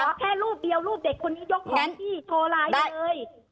แค่รูปเดียวรูปเด็กคนนี้ยกของพี่โทรไลน์ได้เลย